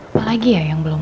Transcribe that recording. apa lagi ya yang belum